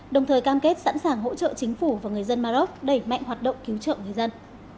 đồng thời cam kết sẵn sàng hỗ trợ chính phủ và người dân maroc đẩy mạnh hoạt động cứu trợ người dân